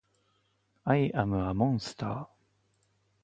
アイアムアモンスター